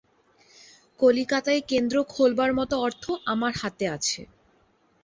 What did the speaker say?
কলিকাতায় কেন্দ্র খোলবার মত অর্থ আমার হাতে আছে।